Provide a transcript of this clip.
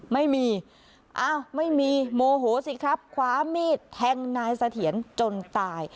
ไม่มีอ้าวไม่มีโมโหสิครับคว้ามีดแทงนายเสถียรจนตาย